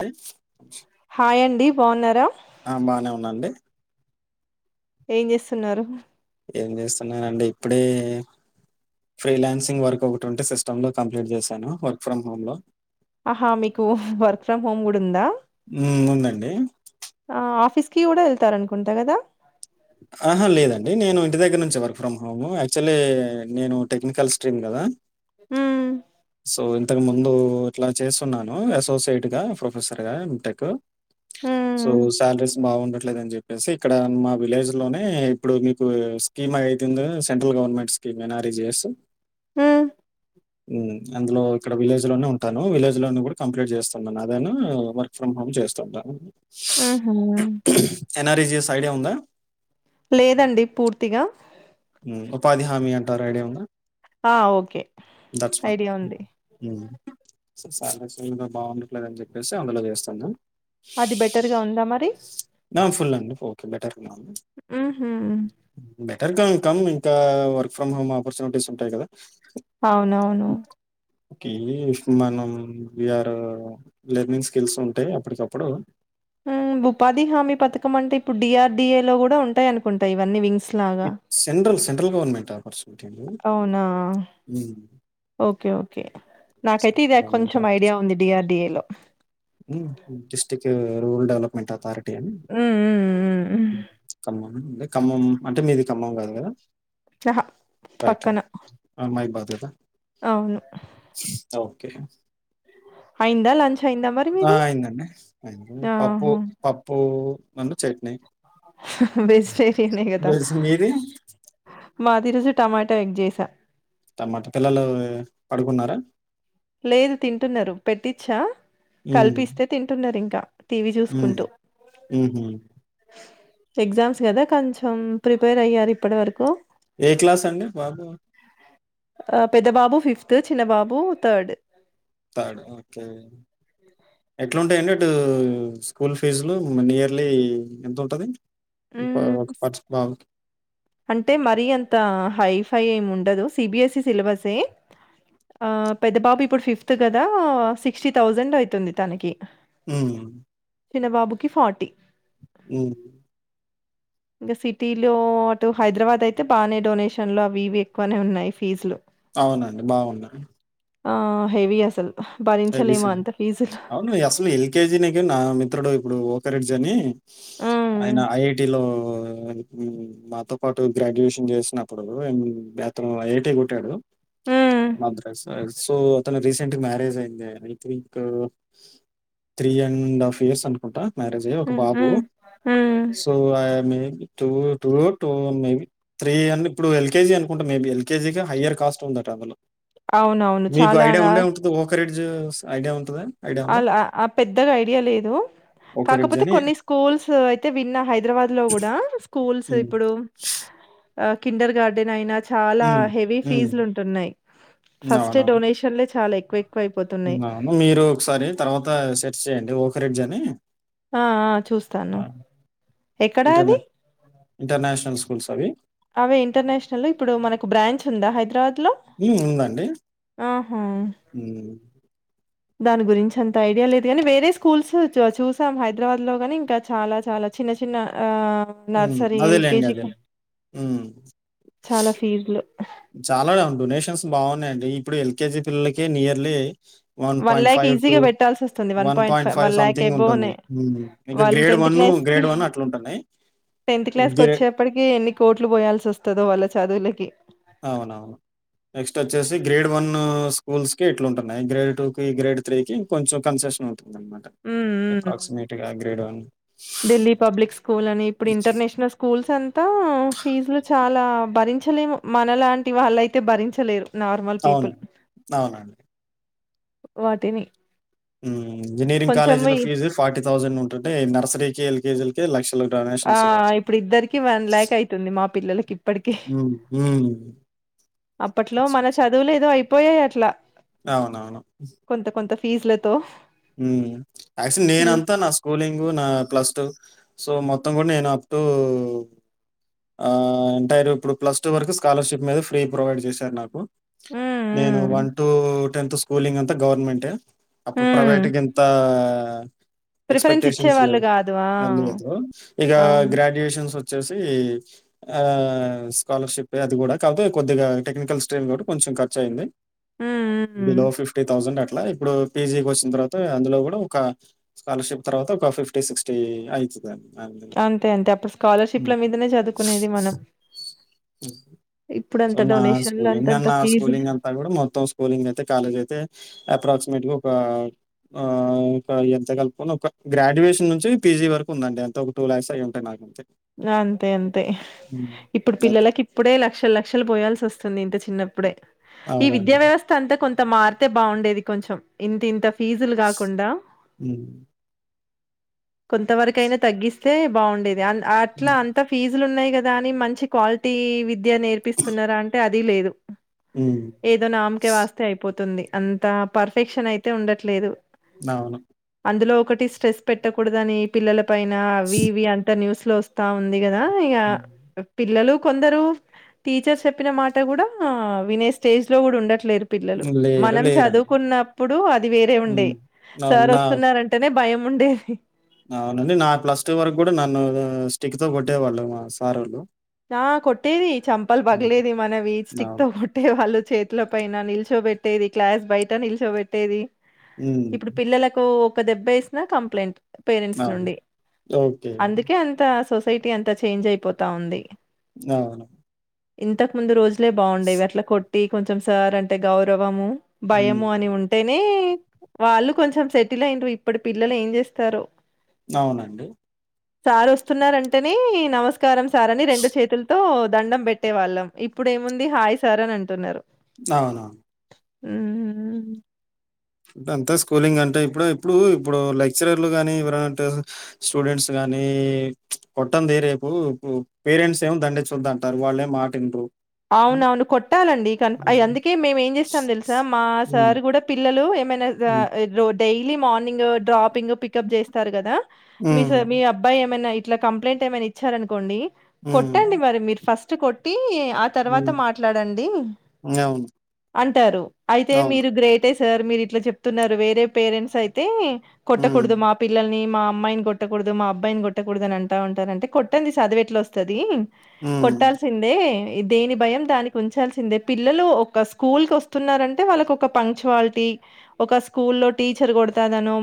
అ hi అండి బాగున్నారు ఆ బానే ఉన్నాండి ఏం చేస్తున్నారు ఏం చేస్తున్ననండి ఇప్పుడే ఫ్రీలాన్సింగ్ వర్క్ ఒకటి ఉంటే సిస్టమ్ లో కంప్లీట్ చేశాను వర్క్ ఫ్రమ్ హోమ్ లో ఆహా మీకు వర్క్ ఫ్రమ్ హోమ్ కూడా ఉందా ఉ ఉందండి కి కూడా వెళ్తారు అనుకుంటా కదా ఆహా లేదండి నేను ఇంటి దగ్గర నుంచి వర్క్ ఫ్రమ్ హోమ్ యాక్చువల్ నేను టెక్నికల్ స్ట్రీమ్ కదా హ్మ్మ్ సో ఇంతకు ముందు ఇట్లా చేస్తున్నాను అసోసియేట్ గా ప్రొఫెసర్ గా ఎం టెక్ సో హ్మ్. సాలరీస్ బాగుండట్ లేదని చెప్పేసి ఇక్కడ మా విలేజ్ లోనే ఇప్పుడు మీకు స్కీమ్ అ అయితుంది సెంట్రల్ గవర్నమెంట్ స్కీమ్ [unintelligible] హుమ్ ఉమ్ అందులో ఇక్కడ విలేజ్ లోనే ఉంటాను విలేజ్ లో కూడా కంప్లీట్ చేస్తున్నాను అదేనా వర్క్ ఫ్రమ్ హోమ్ చేస్తుంటాను ఉహూ ఎన్ఆర్‌ఈజీఎస్ ఐడియా ఉందా లేదండి పూర్తిగా ఉపాధి హామీ అంటారు ఐడియా ఉందా ఆ! ఓకే. దట్స్ వన్ ఐడియా ఉంది. సాలరీస్ అన్నీ బాగుండట్లేదని చెప్పేసి అందులో చేస్తాము అది బెటర్ గా ఉందా మరి డ్యాం ఫుల్ అండి బెటర్ గా ఉంది హుహు. బెటర్ గానే ఉంది ఇంకా వర్ ఫ్రమ్ హోమ్ ఆపర్చునిటీస్ ఉంటాయి కదా అవునవును ఒకే మనం విఆర్ ఓ లెర్నింగ్ స్కిల్స్ ఉంటె అప్పటికప్పుడు ఉపాధి హామీ పథకం అంటే ఇప్పుడు డిఆర్డీఏ లో కూడా ఉంటాయి అనుకుంటాయి ఇవన్నీ వింగ్స్ లాగా. ఇ సెంట్రల్ సెంట్రల్ గవర్నమెంట్ ఆపర్చునిటీ అవునా? ఓకే ఓకే నాకైతే సెంట్రల్ ఇది కొంచెం ఐడియా ఉంది డిఆర్డిీఏలో హ్మ్మ్ డిస్టిక్ రూరల్ డెవలప్మెంట్ అథారిటీ అని హ్మ్. హ్మ్. హ్మ్. హ్మ్మ్ ఖమ్మం ఖమ్మం లో అంటే మీది ఖమ్మం కాదా ఆహ పక్కన మైబాద్ అవును ఒకే అయ్యిందా లంచ్ అయిందా మరి ఆ మీది? అయింది అండి ఐంది పప్పు ఆహా! పప్పు అండ్ చట్నీ వెజిటేరియనే కదా వెజ్ మీది మాది ఈరోజు టమోటోఎగ్ చేసా టమాటా పిల్లలు పడుకున్నారా లేదు తింటున్నారు పెట్టిచ్చా ఉమ్, కలిపిస్తే తింటున్నారు ఇంకా టీవీ ఉమ్, చూసుకుంటూ ఉమ్హు. ఎగ్జామ్స్ కదా కొంచెం ప్రిపేర్ అయ్యారు ఇప్పటివరకు ఏ క్లాస్ అండి బాబు ఆ పెద్ద బాబు ఫిఫ్త్ చిన్న బాబు థర్డ్ థర్డ్ ఎట్లాఉంటాయండి అటు స్కూల్ ఫీజులు నియర్లీ ఎంత ఉంటది ఒక మ్ పర్స్ బాబుకి అంటే మరి అంతా హైఫైవ్ఎం ఉం ఉండదు సీబీఎస్ఈ సిలబసేహ్ ఆ పెద్ద బాబు ఇప్పుడు ఫిఫ్త్ కదా సిక్స్టీ థౌసండ్ ఐతుంది తనకి ఉమ్ చిన్నబాబుకి ఫోర్టీ ఉమ్ ఇంకా సిటీలో అటు హైదరాబాద్ అయితే బానే డొనేషన్లు అవి ఇవి ఎక్కువనే ఉన్నాయ్ ఫీజులు అవునండి బాగున్నాయి ఆ హెవీ అసలు హెవీ భరించలేము సెండీ అంత ఫీజులు. అ అవును అసలు ఎల్. కే. జీ న నా మిత్రుడు ఇప్పుడు ఓక్రె డ్జ్ అని హ్మ్. ఆయన ఐఐటి లో మాతో పాటు గ్రాడ్యుయేషన్ చేసినప్పుడు వో మ్ అతను ఐఐటీ కొట్టాడు హ్మ్. మద్రాస్ సో అతను రీసెంట్ మ్యారేజ్ అదే I think three and half years అనుకుంటా మ్యారేజ్ అయి ఒక హ్మ్. బాబు హ్మ్. హ్మ్. So I am a two two two maybe బి త్రీ అ ఇప్పుడు ఎల్. కే. జీ అనుకుంటే మే బి ఎల్కేజీకె హయ్యర్ కాస్ట్ ఉందట అందులో అవునవును. మీకు చాలా ఐడియా ఉండే ఉంటది ఓక్రిడ్జ్ ఐడియా ఉంటుందా అలా ఆ పెద్దగా ఐడియా లేదు ఒక రిడ్జ్ కాకపోతే అని. కొన్ని స్కూల్స్ అయితే విన్నా హైదరాబాద్ లో కూడా స్కూల్స్ హ్మ్. ఇప్పుడు [inaudible] ఆ కిండర్ గార్డెన్ అయినా చాలా హ్మ్. హెవీ హ్మ్. ఫీజులు ఉంటున్నాయ్ ఫస్ట్ అవునవును. డొనేషన్లే చాలా ఎ ఎక్కువ అయిపోతున్నాయ్ సరే తర్వాత సెర్చ్ చేయండి ఓక్రిడ్జ్ అని ఆ ఆ చూస్తాను ఆహ్, ఎక్కడా ఇంటర్నే అది ఇంటర్నేషనల్ స్కూల్స్ అవి అవే ఇంటర్నేషనల్ ఇప్పుడు మనకు బ్రాంచ్ ఉందా హైదరాబాద్ లో హ్మ్. ఉందండి. ఆహా హ్మ్. దాని గురించి అంత ఐడియా లేదు కానీ వేరే స్కూల్స్ చ చూసాం హైదరాబాద్ లో గని ఇంకా చాలా చాలా చిన్న చిన్న ఆ హ్మ్. Nursery L. కే. అదేలెండి. జీ అదేలెండి. హ్మ్. చాలా ఫీజులు చాలా డొనేషన్స్ బాగున్నాయండి ఇప్పుడు ఎల్. కే. జీ పిల్లలకే nearly one point five two ఈజీగా పెట్టాల్సొస్తుంది. వన్ పాయింట్ ఫైవ్ సమ్‌థింగ్ ఉంటుంది ఎబోనే మ్ ఇంకా వాళ్ళు గ్రేడ్ వన్ గ్రేడ్ వన్ అట్లా ఉంటున్నాయి టెన్త్ క్లాస్ కి వచ్చేప్పటికి ఎన్ని కోట్లు పోయాల్సి వస్తాదో వాళ్ళ చదువులకి అవునవును. స్కూల్స్కి కి ఇట్లు ఉంటునయే గ్రేడ్ టూ కి గ్రేడ్ త్రీ కి కొంచెం కన్సేషన్ ఉం హ్మ్. హ్మ్. అప్రాక్సిమేట్ గా grade one Delhi public school అని ఇప్పుడు ఇంటర్నేషనల్ స్కూల్స్ అంతా ఫీజులు చాలా భారి చ లేము మనలాంటి వాళ్ళ అయితే భరించలేరు నార్మల్ అవును. పీపుల్ అవునండి. వాటిని ఇంజనీరింగ్ కొంచెం కాలేజీల ఈ ఫీజు ఫార్టీ థౌజండ్ ఉంటుంటె నర్సరీ ఎల్కేజీలికి లక్ష ఆఇప్పుడు ఇద్దరికీ వన్ లాక్ అయితుంది మా పిల్లలకి ఇప్పటికీ హ్మ్. హ్మ్. అప్పట్లో మన చదువులు ఏదో అయిపోయాయి అట్లా అవునవును కొంత కొంత ఫీజులతో హ్మ్మ్ యాక్చువల్ పిల్ల నేనంతా నా స్కూలింగ్ నా ప్లస్ టు సో మొత్తం కూడా నేను అప్ టు ఆ అంటె ఇప్పుడు ప్లస్ టూ వరకు స్కాలర్షిప్ మీద ఫ్రీ ప్రొవైడ్ చేశారు నాకు హ్మ్. నేను హ్మ్. వన్ టు టెన్త్ స్కూలింగ్ అంతా గవర్నమెంటె హ్మ్. ప్రైవేట్ గింత ప్రిఫరెన్స్ ఎక్స్పెక్టేషన్స్ ఇచ్చేవాళ్ళు లేవు గాదు. ఆ! నా మీద అప్పుడు ఇక అ అవును. గ్రాడ్యుయేషన్స్ వచ్చేసి ఆ స్కాలర్షిప్ అది కూడా కాపోతే కొద్దిగా టెక్నికల్ స్ట్రీమ్ కూడా కొంచెం ఖర్చు అయింది హ్మ్. హ్మ్. బిలో ఫిఫ్టీ థౌసండ్ అట్లా ఇప్పుడు పీజీకి వచ్చి తర్వాత అందులో కూడా ఒక స్కాలర్షిప్ తర్వాత ఒక ఫిఫ్టీ సిక్స్టీ అయీతుందిం అంతే అంతే అప్పుడు స్కాలర్షిప్ల మీదనే చదువుకునేది మనం ఇ సో నా స్కూలింగ్ అ నా స్కూలింగ్ అంతా కూడా మొత్తం స్కూలింగ్ అయితే కాలేజ్ అయితే అప్రాక్సిమేట్ గా ఒక ఆ ఎంత కలుపు కున్న ఒక గ్రాడ్యుయేషన్ నుంచి పీజీ వరకు ఉందండి అంత ఒక టూ ల్యాక్స్ అయ్య ఉంటాయి నాకు అంతే అంతే అంతే ఇప్పుడు అది. పిల్లలకి ఇప్పుడే లక్షల లక్షలు పోయాల్సి వస్తుంది ఇంత చి చిన్నప్పుడే ఈ అవునండి. విద్యా వ్యవస్థ అంతా కొంత మారితే బాగుండేది కొంచెం ఇంత ఇంత ఫీజులు కాకుండా హ్మ్. కొంతవరక అయినా తగ్గిస్తే బాగుండేది అ అట్లా హ్మ్. అంత ఫీజులు ఉన్నాయి కదా అని మంచి క్వాలిటీ విద్య నేర్పిస్తున్నారా అంటే అది లేదు హ్మ్. ఏదో నామ్ కే వాస్తే అయిపోతుంది అంత పర్ఫెక్షన్ అయితే ఉండట్లేదు అవును అందులో ఒకటి స్ట్రెస్ పెట్టకూడదని పిల్లల పైన అవి ఇవి అంతా న్యూస్ లో వస్తా ఉంది కదా ఇక హ్మ్. పిల్లలు కొందరు టీచర్ చెప్పిన మాట కూడా వినే స్టేజ్ లో కూడా ఉండట్ లేరు పిల్లలు లేరు మనం లేరండి. చదువుకున్నప్పుడు అది వేరే ఉండే హ్మ్. అవును. సార్ నా వస్తున్నంటేనే భయం ముండేది అవునండి నా ప్లస్ టూ వరకు కూడా నన్ను స్టిక్ తో కొట్టే వాళ్ళు మా సారోళ్ళు నా కొట్టేది చంపలు హ్మ్. పగలేది మన వీ స్టిక్ తో అవును. కొట్టేవాళ్ళు చేతుల పైన నిల్చోబెట్టి డేది క్లాస్ బయట నిల్చోబట్టేది హ్మ్. ఇప్పుడు పిల్లలకు ఒక దెబ్బై వేసిన కంప్లైంట్ పేరెంట్స్ అవును. నుండి ఓకే. అందుకే అంత సొసైటీ అంతా చేంజ్ అయిపోతా ఉంది ఆ ఇంతకు ముందు రోజులే బాగుండేవి అట్లా కొట్టి కొంచెం సార్ అంటే గౌరవము హ్మ్. భయము అని ఉంటే నే వాళ్ళు కొంచెం సెటిల్ అయిండ్రు ఇప్పుడు పిల్లలు ఏం చేస్తారు అవునండి సార్ వస్తున్నారంటేనే నమస్కారం సార్ అని రెండు చేతులతో దండం పెట్టే వాళ్ళం ఇప్పుడు ఏముంది హాయ్ సార్ అని అంటున్నారు హా హహుమ్మ్ అంతా స్కూలింగ్ అంటే ఇప్పుడు ఇప్పుడు ఇప్పుడు లెక్చరర్లు కాని ఎవర స్టూడెంట్స్ గాని అని కొట్టంది రేపు పేరెంట్స్ ఏమో దండించద్దంటారు వాళ్ళ ఏం మాటిండ్రు అవున అవును కొట్టాలండిన అందుకే మేము ఏం చేస్తాం తెలుసా మా హ్మ్. సార్ కూడా పిల్లలు ఏమైనా హ్మ్. డైలీ మార్నింగ్ డ్రాపింగ్ పికప్ చేస్తారు కదా మీ హ్మ్. మీ అబ్బాయి ఏమైనా ఇట్లా కంప్లైంట్ ఏమైనా ఇచ్చారనుకోండి హ్మ్. కొట్టండి మరి మీరు ఫస్ట్ ఫస్ట్ కొట్టి ఆ తర్వాత హ్మ్. మాట్లాడండి అవును. అంటారు అయితే అవును. మీరు గ్రేటెస్ట్ సార్ మీరు ఇట్లా చెప్తున్నారు వేరే పేరెంట్స్ అయితే హ్మ్. కొట్టకూడదు మా పిల్లల్ని మా అమ్మాయిని కొొట్టకూడదు మా అబ్బాయిని కొట్టకూడదు అని అంటా ఉంటారంటే కొట్టంది చదివు ఎట్లా వస్తుంది హ్మ్. కొట్టాల్సిందే దేని భయం దానికి ఉంచాల్సిందే పిల్లలు ఒక స్కూల్ కి వస్తున్నారంటే వాళ్ళకి ఒక ఫంక్చువాలిటీ ఒక స్కూ లో టీచర్ కొడతాదనో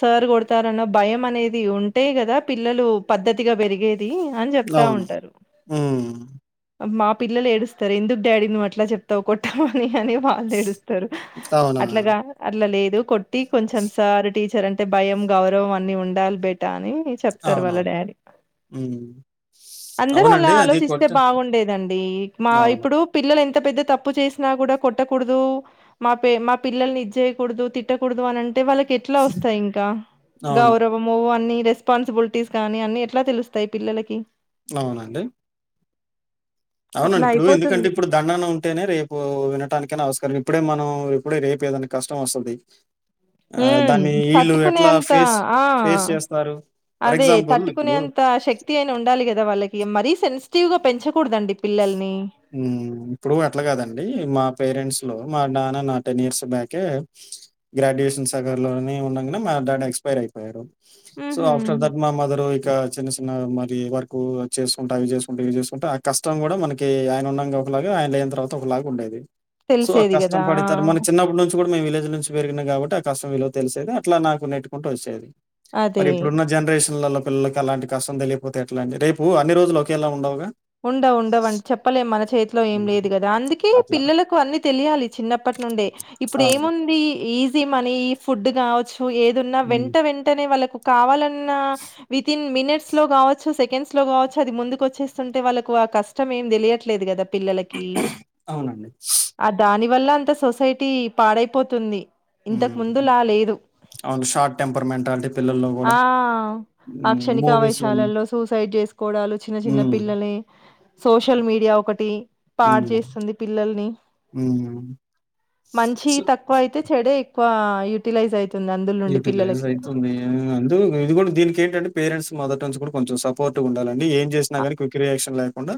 సార్ కొడతారనో భయం అనేది ఉంటే కదా పిల్లలు పద్ధతిగా పెరిగేది అని చెప్తా అవును. ఉంటారు హ్మ్. మా పిల్లలు ఏడుస్తారు ఎందుకు డాడీ నువ్వు అట్లా చెప్తావు కొట్టామని అని వాళు ఏడుస్తారు అవునా! అట్లాగా అట్లా లేదు కొట్టి కొంచెం సార్ టీచర్ అంటే భయం గౌరవం అన్ని ఉండాలి బట్ అని చెప్తారు వాళ్ళ అవునవును. డాడీ హ్మ్. అందరూ అలా అవునండి. అది ఆలోచిస్తే కొట్ట బాగుండేదండి మా అవును. ఇప్పుడు పిల్ల పిల్లలు ఎంత పెద్ద తప్పు చేసినా కూడా కొట్టకూడదు మా మా పిల్లల్ని ఇది చేయకూడదు తిట్టకూడదు అంటే వాళ్ళకి ఎట్లా వస్తాయి ఇంకా అవును. గౌరవం రెస్పాన్సిబిలిటీస్ కానీ అన్ని ఎట్లా తెలుస్తాయి పిల్లలకి అవునండి. అట్లా అవునండి ఇప్పుడు అయిపోతుంది. ఎందుకంటే ఇప్పుడు దండన ఉంటేనే రేపు వినటానికైనా అవస్కరం ఇప్పుడే మనం ఇప్పుడే రేపు ఏదైనా కష్టం వస్తుంది హ్మ్మ్ తట్టుకునే అంత ఫేస్, ఆ ఫేస్ చేస్తారు? ఫర్ అదే ఎగ్జాంపుల్ ఇప్పుడు తట్టుకునేంత శక్తి అయినా ఉండాలి కదా వాళ్ళకి మరీ సెన్సిటివ్ గా పెంచకు ఇప్పుడు అట్లా కాదండి మా పేరెంట్స్ మా నాన్న నా టెన్ ఇయర్స్ బ్యాక్ గ్రాడ్యుయేషన్ సగం లో ఉండగానే మా డాడ్ ఎక్స్పర్ ఎక్స్పైర్ ప్రతి అయిపోయారు సో హుహు. ఆఫ్టర్ దట్ మా మదర్ ఇక చిన్న చిన్న ఇది వరకు చేస్తుంటా అవి చేస్తుంటాయి ఇవి చేస్తుంటా కష్ట కష్టం కూడా మనకి ఆయన ఉన్నంగా ఒకలాగా ఆయన లేని తర్వాత ఒకలాగా ఉండేది సో ఆ తెలిసేది కష్టం గదా ఆ! పడతారు మన చిన్నప్పటి నుంచి కూడా మే విలేజ్ నుంచి పెరిగిన కాబటి ఆ కష్టం విలువ తెలిసేది అట్లా నాకు నెట్టుకుంటూ వచ్చేది అదే. మరి ఇప్పుడున్న జనరేషన్ ల పిల్లలకి ఎలాంటి కష్టం తెలిపోతే ఎట్లా అండి రేపు అన్ని రోజులు ఒకేలా ఉండవుగా ఉండవు ఉండవండి చెప్పలేం మన చేతి లో ఏం ఉమ్, లేదు కదా అందుకే అట్లా పిల్లలకు అన్ని తెలియాలి చిన్నప్పటి నుండే ఇప్పుడు అవును ఏముంది ఈ మనీ ఈ ఫుడ్ గా వస్తువు ఏదన్న ఉమ్, వెంట వెంటనే వాళ్ళకు కావాలన్నా వితిన్ మినిట్ లో కావచ్చు సెకండ్స్ లో కావచ్చు అది ముందుకు వచ్చేస్తుంటే వాళ్ళకు ఆ కష్టం ఏం తెలియట్లేదు కదా పిల్లలకి అవునండి ఆ దాని వల్ల అంత సొసైటీ పాడైపోతుంది ఇంతకు ఉమ్, ముందులా లేదు అవును షార్ట్ టెంపర్ మెంటాలిటీ పిల్లల్లో కూడా ఆ ఆ క్షణిక మూవీస్ అవేశాలలో సూసైడ్ చేసుకోవడాలు చిన్న చిన్న పిల్లలే సోషల్ మీడియా ఒకటి పాడు చేస్తుంది పిల్లల్ని మంచి తక్కువ అయితే చెడే ఎక్కువ యూటిలైజ్ అయి యూటిలైజ్ అయితుంది అందు ఇది కూడా దీనికి ఏంటంటే పేరెంట్స్ మదర్ టన్ కొంచెం సపోర్ట్ ఉండాలండి ఏం చేసినా అ కానీ క్విక్ రియాక్షన్ లేకుండా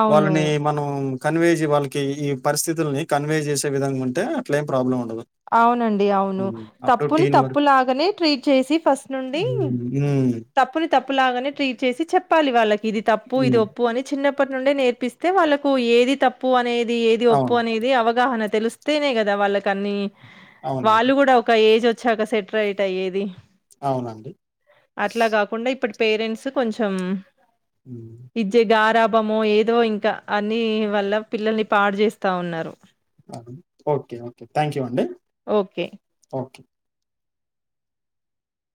అవును వాళ్ళని మనం కన్వే చే వాళ్ళకి ఈ పరిస్థితుల్ని కన్వే చేసే విధంగా ఉంటే అట్ల ఏం ప్రాబ్లం ఉండదు అవునండి అవును ఉమ్, తప్పు అప్ టు తప్పుని టీన్ వరకు తప్పు లాగానే ట్రీట్ చేసి ఫస్ట్ నుండి హ్మ్ హ్మ్. తప్పుని తప్పులాగానే ట్రీట్ చేసి చెప్పాలి వాళ్ళకి ఇది తప్పు ఇది హ్మ్. ఒప్పు అని చిన్న అప్పటి నుండే నేర్పిస్తే వాళ్ళలకు ఏది తప్పు అనేది ఏది ఒప్పు అవును. అనేది అవగాహన తెలుస్తు స్తేనే కదా వాళ్ళకి అన్ని అవునండి. వాళ్ళు కూడా ఒక ఏజ్ వచ్చాక సెట రైట్ అయ్యేది అవునండి. అట్లా కాకుండా, ఇప్పుడు పేరెంట్స్ కొంచెం. హ్మ్. ఇజే గరబ్. వామో! ఏదో ఇంకా అన్ని వల్ల పిల్లల్ని పాడు చేస్తా ఉన్నారు. హలో. Okay, okay. థ్యాంక్యూ అండి. ఓకే. ఓకే.